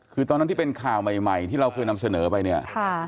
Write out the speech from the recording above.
คือตอนนั้นที่เป็นข่าวใหม่ที่เราเคยนำเสนอไปเนี่ย